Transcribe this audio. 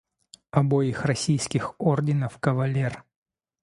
Обоих российских орденов кавалер!..